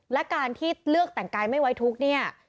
และการที่เลือกแต่งกายไม่ไว้ทุกข์เนี่ย